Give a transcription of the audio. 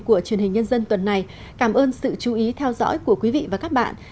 của truyền hình nhân dân tuần này cảm ơn sự chú ý theo dõi của quý vị và các bạn